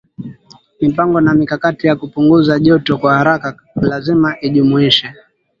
mipango na mikakati ya kupunguza joto kwa haraka lazima ijumuishe